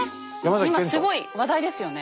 今すごい話題ですよね。